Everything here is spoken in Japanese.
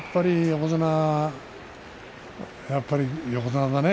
横綱はやっぱり横綱だね。